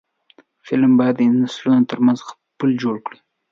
فلم باید د نسلونو ترمنځ پل جوړ کړي